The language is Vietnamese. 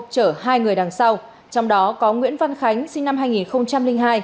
chở hai người đằng sau trong đó có nguyễn văn khánh sinh năm hai nghìn hai